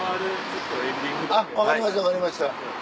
あっ分かりました分かりました。